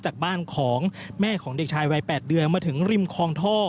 จากบ้านของแม่ของเด็กชายวัย๘เดือนมาถึงริมคลองท่อ